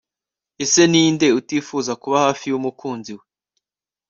ese ni nde utifuza kuba hafi y'umukunzi we